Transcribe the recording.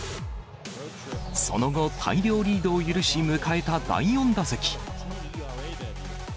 その後、大量リードを許し、迎えた第４打席。